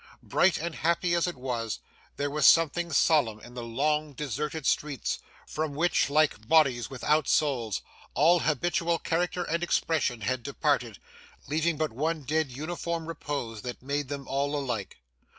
Bright and happy as it was, there was something solemn in the long, deserted streets, from which, like bodies without souls, all habitual character and expression had departed, leaving but one dead uniform repose, that made them all alike.